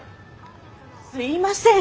すいません。